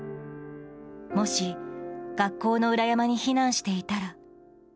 もし、学校の裏山に避難していたら。